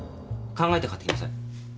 考えて買って来なさい。